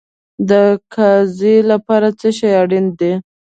د قاضي لپاره څه شی اړین دی؟